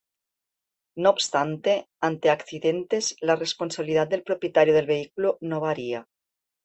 No obstante, ante accidentes la responsabilidad del propietario del vehículo no varía.